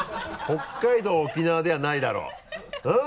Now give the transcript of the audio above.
北海道沖縄ではないだろううん？